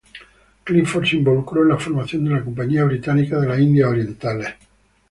Clifford se involucró en la formación de la Compañía Británica de las Indias Orientales.